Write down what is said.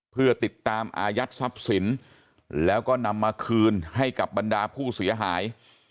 เพื่อติดตามอายัดทรัพย์สินแล้วก็นำมาคืนให้กับบรรดาผู้เสียหาย